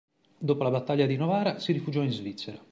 Dopo la battaglia di Novara si rifugiò in Svizzera.